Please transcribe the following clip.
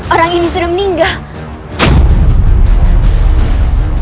orang ini sudah meninggal